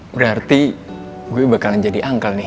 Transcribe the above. berarti gue bakalan jadi angkle nih